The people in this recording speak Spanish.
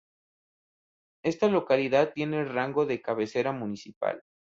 Esta localidad tiene el rango de cabecera municipal.